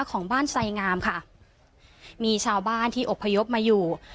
ของบ้านไสงามค่ะมีชาวบ้านที่อบพยพมาอยู่